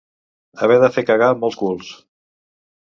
Haver de fer cagar molts culs.